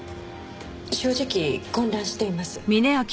正直混乱しています。